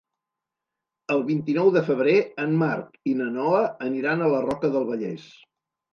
El vint-i-nou de febrer en Marc i na Noa aniran a la Roca del Vallès.